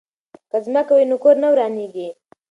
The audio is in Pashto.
که ځمکه وي نو کور نه ورانیږي.